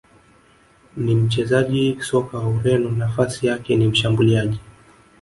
ni mchezaji soka wa Ureno nafasi yake ni Mshambuliaji